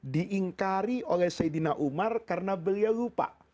diingkari oleh saidina umar karena beliau lupa